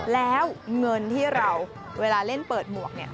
แล้วเงินที่เราเวลาเล่นเปิดหมวกเนี่ย